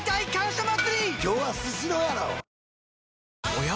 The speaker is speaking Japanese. おや？